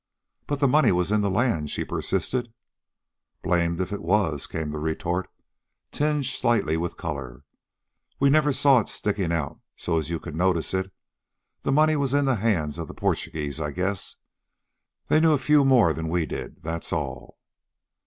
"But the money was in the land," she persisted. "Blamed if it was," came the retort, tinged slightly with color. "We never saw it stickin' out so as you could notice it. The money was in the hands of the Porchugeeze, I guess. They knew a few more 'n we did, that's all."